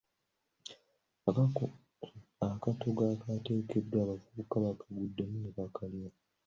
Akatogo akaategekeddwa abavubuka baakaguddemu ne bakalya.